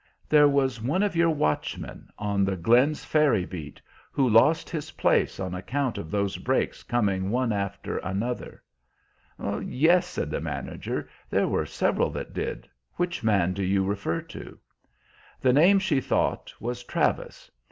"There was one of your watchmen, on the Glenn's Ferry beat, who lost his place on account of those breaks coming one after another" "Yes," said the manager; "there were several that did. Which man do you refer to?" The name, she thought, was Travis.